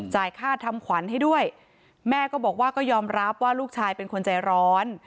ค่าทำขวัญให้ด้วยแม่ก็บอกว่าก็ยอมรับว่าลูกชายเป็นคนใจร้อน